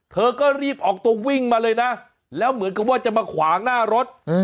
เธอก็รีบออกตัววิ่งมาเลยนะแล้วเหมือนกับว่าจะมาขวางหน้ารถ